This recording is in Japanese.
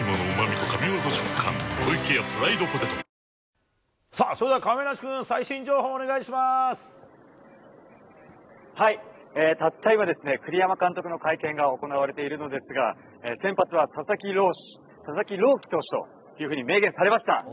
明星「中華三昧」さあ、それでは亀梨君、たった今、栗山監督の会見が行われているのですが、先発は佐々木朗希、佐々木朗希投手というふうに明言されました。